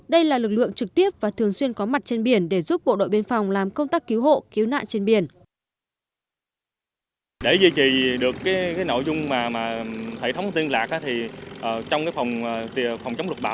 đây là lực lượng trực tiếp và thường xuyên có mặt trên biển để giúp bộ đội biên phòng làm công tác cứu hộ cứu nạn trên biển